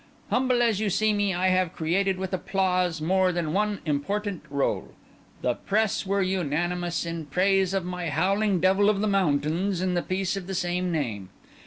Humble as you see me, I have created with applause more than one important rôle. The Press were unanimous in praise of my Howling Devil of the Mountains, in the piece of the same name.